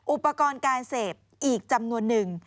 อุปกรณ์การเสพอีกจำนวนหนึ่ง